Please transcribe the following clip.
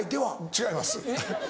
違います